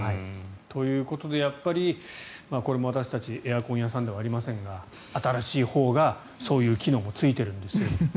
ということでこれも私たちエアコン屋さんではありませんが新しいほうがそういう機能もついているんですよ。